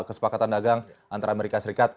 kesepakatan dagang antara amerika serikat